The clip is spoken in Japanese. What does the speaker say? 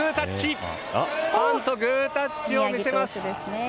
ファンとグータッチを見せます。